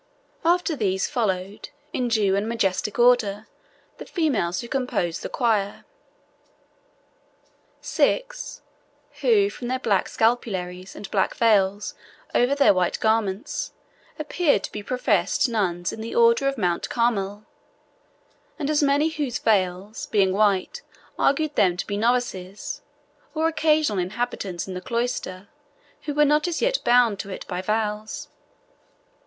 After these followed, in due and majestic order, the females who composed the choir six, who from their black scapularies, and black veils over their white garments, appeared to be professed nuns of the order of Mount Carmel; and as many whose veils, being white, argued them to be novices, or occasional inhabitants in the cloister, who were not as yet bound to it by vows.